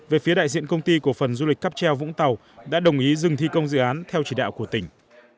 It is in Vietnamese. về phía đại diện công ty cổ phần du lịch cắp treo vũng tàu đã đồng ý dừng thi công dự án theo chỉ đạo của tỉnh